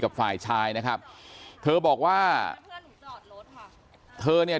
แม่ขี้หมาเนี่ยเธอดีเนี่ยเธอดีเนี่ยเธอดีเนี่ย